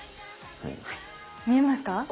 はい見えますか？